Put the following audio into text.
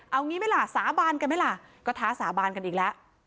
เอางี้ไหมล่ะสาบานกันไหมล่ะก็ท้าสาบานกันอีกแล้ว